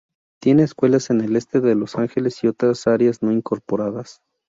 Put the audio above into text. Tiene escuelas en el Este de Los Ángeles y otras áreas no incorporadas.